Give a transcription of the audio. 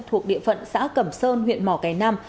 thuộc địa phận xã cẩm sơn huyện mỏ cái nam